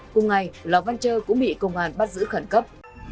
cùng ngày lò văn trơ cũng bị công an bắt giữ khẩn cấp